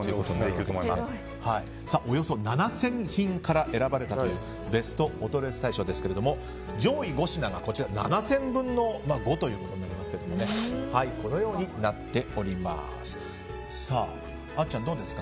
およそ７０００品から選ばれたというベストお取り寄せ大賞上位５品が７０００分の５ということですがこのようになっております。